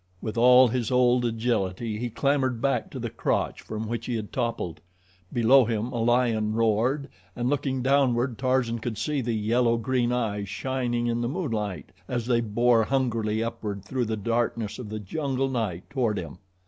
With all his old agility he clambered back to the crotch from which he had toppled. Below him a lion roared, and, looking downward, Tarzan could see the yellow green eyes shining in the moonlight as they bored hungrily upward through the darkness of the jungle night toward him.